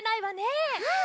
うん。